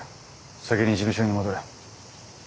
先に事務所に戻れ。